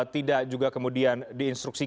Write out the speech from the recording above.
tidak juga kemudian diinstruksikan